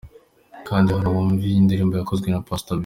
Kanda hano wumve iyi ndirimbo yakozwe na Pastor P.